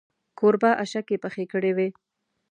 کوربه اشکې پخې کړې وې.